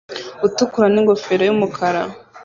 utukura n'ingofero y'umukara